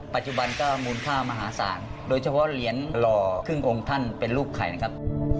ปัจจุบันก็มูลค่ามหาศาลโดยเฉพาะเหรียญหล่อครึ่งองค์ท่านเป็นรูปไข่นะครับ